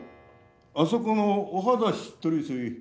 あそこの「お肌しっとり水」